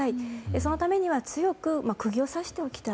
そのためには強く釘を刺しておきたい。